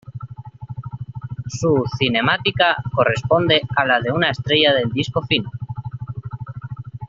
Su cinemática corresponde a la de una estrella del disco fino.